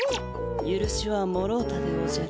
ゆるしはもろうたでおじゃる。